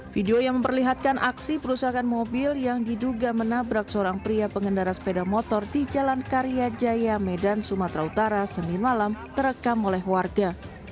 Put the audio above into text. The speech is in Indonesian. video yang memperlihatkan aksi perusahaan mobil yang diduga menabrak seorang pria pengendara sepeda motor di jalan karya jaya medan sumatera utara senin malam terekam oleh warga